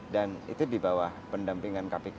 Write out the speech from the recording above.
itu di bawah pendampingan kpk